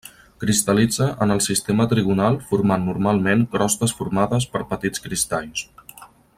Cristal·litza en el sistema trigonal formant normalment crostes formades per petits cristalls.